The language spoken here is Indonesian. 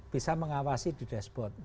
bisa mengawasi di dashboard